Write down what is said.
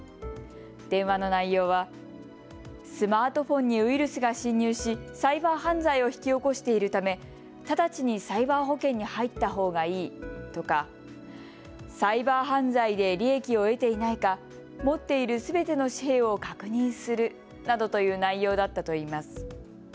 電話の内容はスマートフォンにウイルスが侵入しサイバー犯罪を引き起こしているため直ちにサイバー保険に入ったほうがいいとかサイバー犯罪で利益を得ていないか持っているすべての紙幣を確認するなどという内容だったといいます。